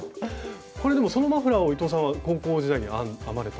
これでもそのマフラーを伊藤さんは高校時代に編まれた。